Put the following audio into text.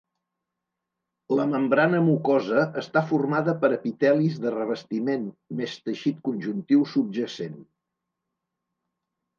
La membrana mucosa està formada per epitelis de revestiment més teixit conjuntiu subjacent.